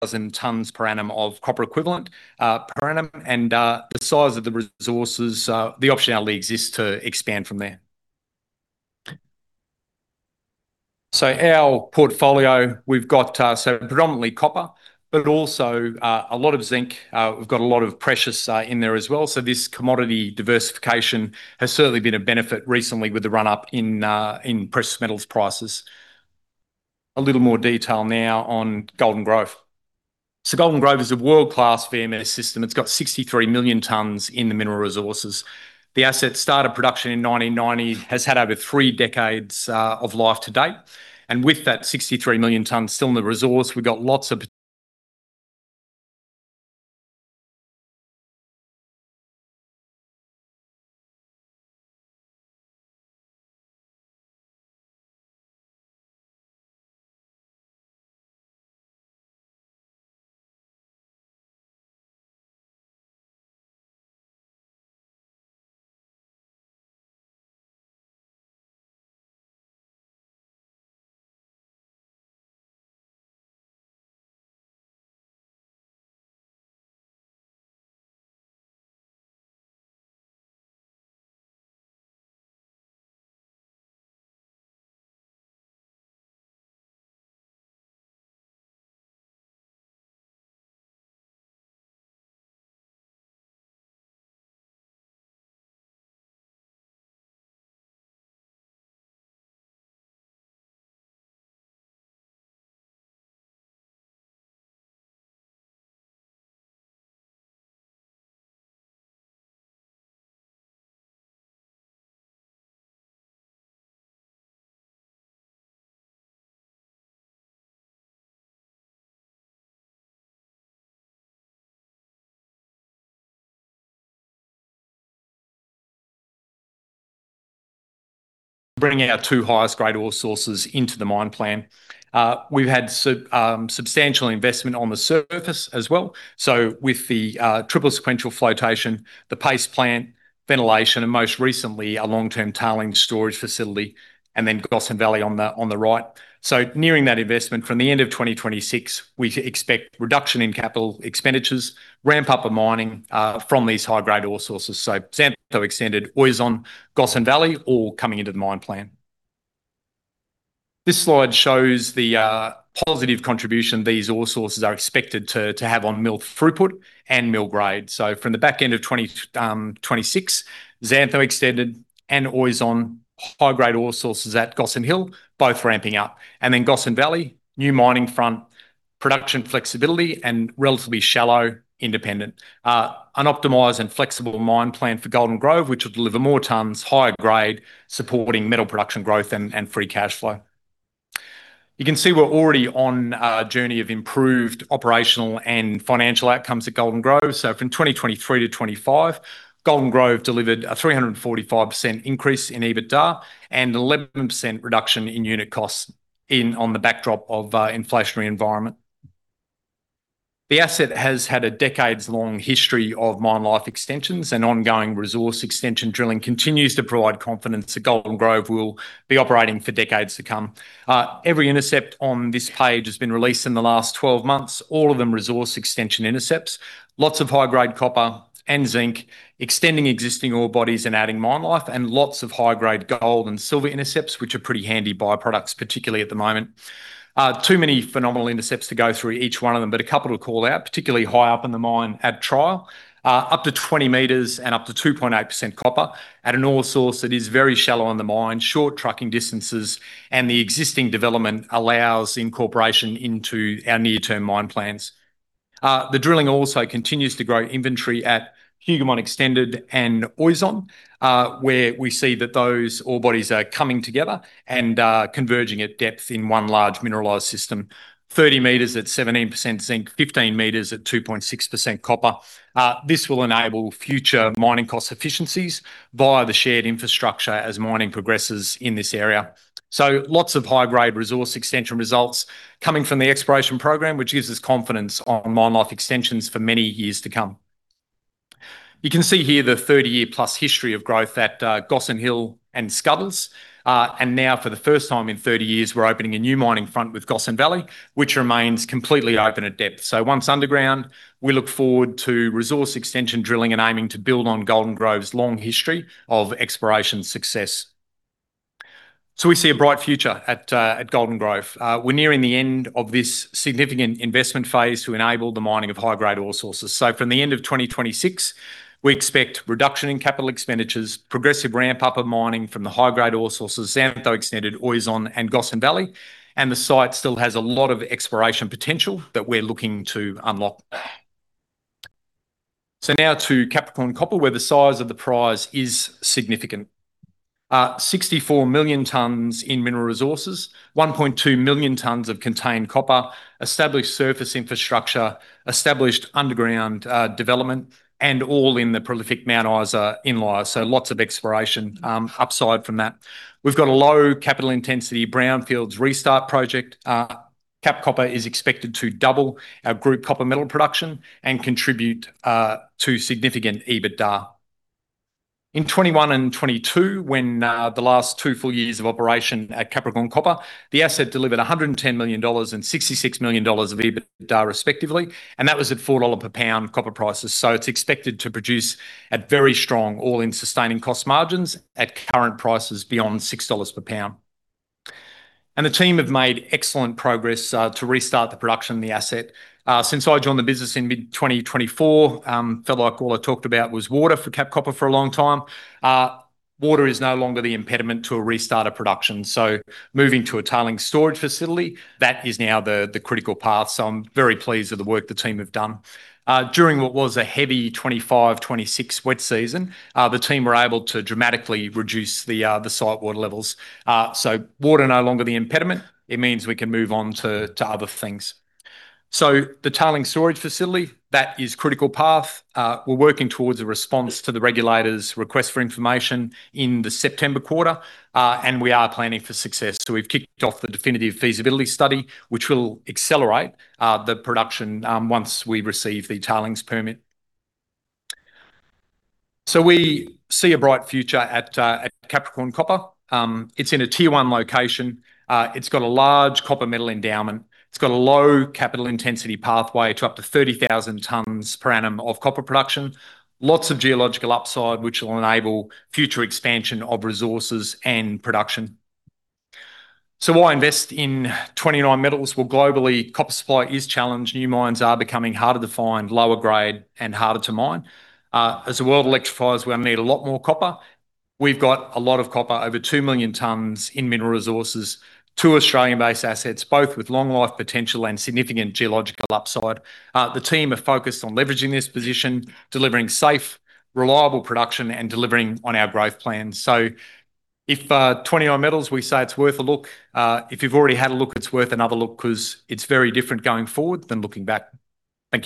-tons per annum of copper equivalent per annum. The size of the resources, the optionality exists to expand from there. Our portfolio, we've got predominantly copper but also a lot of zinc. We've got a lot of precious in there as well. This commodity diversification has certainly been a benefit recently with the run-up in precious metals prices. A little more detail now on Golden Grove. Golden Grove is a world-class VMS system. It's got 63 million tons in the mineral resources. The asset started production in 1990, has had over three decades of life to date. With that 63 million tons still in the resource, we've got lots of potential bringing our two highest grade ore sources into the mine plan. We've had substantial investment on the surface as well. With the triple sequential flotation, the paste plant, ventilation, and most recently, a long-term tailings storage facility. Gossan Valley on the right. Nearing that investment, from the end of 2026, we expect reduction in capital expenditures, ramp up of mining from these high-grade ore sources. Xantho Extended, Oizon, Gossan Valley all coming into the mine plan. This slide shows the positive contribution these ore sources are expected to have on mill throughput and mill grade. From the back end of 2026, Xantho Extended and Oizon high-grade ore sources at Gossan Hill both ramping up. Gossan Valley, new mining front, production flexibility and relatively shallow, independent. An optimized and flexible mine plan for Golden Grove, which will deliver more tons, higher grade, supporting metal production growth and free cash flow. You can see we're already on a journey of improved operational and financial outcomes at Golden Grove. From 2023-2025, Golden Grove delivered a 345% increase in EBITDA and 11% reduction in unit costs on the backdrop of an inflationary environment. The asset has had a decades-long history of mine life extensions and ongoing resource extension drilling continues to provide confidence that Golden Grove will be operating for decades to come. Every intercept on this page has been released in the last 12 months, all of them resource extension intercepts. Lots of high-grade copper and zinc, extending existing ore bodies and adding mine life and lots of high-grade gold and silver intercepts, which are pretty handy byproducts, particularly at the moment. Too many phenomenal intercepts to go through each one of them, but a couple to call out, particularly high up in the mine at Tryall. Up to 20 m and up to 2.8% copper at an ore source that is very shallow in the mine, short trucking distances, and the existing development allows incorporation into our near-term mine plans. The drilling also continues to grow inventory at Hougoumont Extended and Oizon, where we see that those ore bodies are coming together and converging at depth in one large mineralized system. 30 m at 17% zinc, 15 m at 2.6% copper. This will enable future mining cost efficiencies via the shared infrastructure as mining progresses in this area. Lots of high-grade resource extension results coming from the exploration program, which gives us confidence on mine life extensions for many years to come. You can see here the 30+ year history of growth at Gossan Hill and Scuddles. Now for the first time in 30 years, we're opening a new mining front with Gossan Valley, which remains completely open at depth. Once underground, we look forward to resource extension drilling and aiming to build on Golden Grove's long history of exploration success. We see a bright future at Golden Grove. We're nearing the end of this significant investment phase to enable the mining of high-grade ore sources. From the end of 2026, we expect reduction in capital expenditures, progressive ramp up of mining from the high-grade ore sources, Xantho Extended, Oizon and Gossan Valley. The site still has a lot of exploration potential that we're looking to unlock. Now to Capricorn Copper, where the size of the prize is significant. 64 million tons in mineral resources, 1.2 million tons of contained copper, established surface infrastructure, established underground development, and all in the prolific Mount Isa Inlier. Lots of exploration upside from that. We've got a low capital intensity brownfields restart project. Cap Copper is expected to double our group copper metal production and contribute to significant EBITDA. In 2021 and 2022, when the last two full years of operation at Capricorn Copper, the asset delivered 110 million dollars and 66 million dollars of EBITDA respectively, and that was at 4 dollar per pound copper prices. It's expected to produce at very strong all-in sustaining cost margins at current prices beyond 6 dollars per pound. The team have made excellent progress to restart the production of the asset. Since I joined the business in mid-2024, felt like all I talked about was water for Cap Copper for a long time. Water is no longer the impediment to a restart of production. Moving to a tailings storage facility, that is now the critical path. I'm very pleased with the work the team have done. During what was a heavy 2025, 2026 wet season, the team were able to dramatically reduce the site water levels. Water no longer the impediment. It means we can move on to other things. The tailings storage facility, that is critical path. We're working towards a response to the regulator's request for information in the September quarter. We are planning for success. We've kicked off the definitive feasibility study, which will accelerate the production once we receive the tailings permit. We see a bright future at Capricorn Copper. It's in a Tier-1 location. It's got a large copper metal endowment. It's got a low capital intensity pathway to up to 30,000 tons per annum of copper production. Lots of geological upside, which will enable future expansion of resources and production. Why invest in 29Metals? Globally, copper supply is challenged. New mines are becoming harder to find, lower grade and harder to mine. As the world electrifies, we're going to need a lot more copper. We've got a lot of copper, over 2 million tons in mineral resources, two Australian-based assets, both with long life potential and significant geological upside. The team are focused on leveraging this position, delivering safe, reliable production and delivering on our growth plans. At 29Metals, we say it's worth a look. If you've already had a look, it's worth another look because it's very different going forward than looking back. Thank you